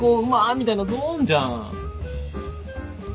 みたいなゾーンじゃん！